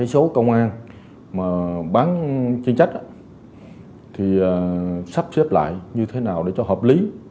số công an bán chuyên trách sắp xếp lại như thế nào để cho hợp lý